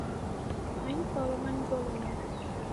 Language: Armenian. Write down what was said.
Այն պարում են բոլորը։